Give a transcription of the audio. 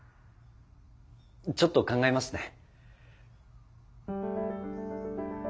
ちょっと考えますね。